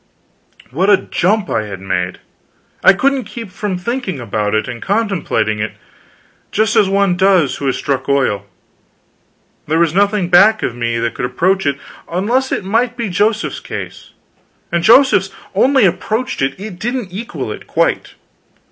What a jump I had made! I couldn't keep from thinking about it, and contemplating it, just as one does who has struck oil. There was nothing back of me that could approach it, unless it might be Joseph's case; and Joseph's only approached it, it didn't equal it, quite.